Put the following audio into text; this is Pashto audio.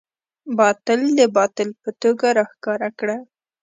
باطل د باطل په توګه راښکاره کړه.